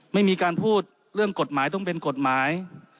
ไม่มีการพูดเรื่องกฎหมายต้องเป็นกฎหมาย